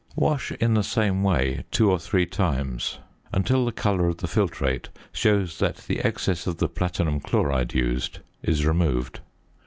Wash in the same way two or three times until the colour of the filtrate shows that the excess of the platinum chloride used is removed.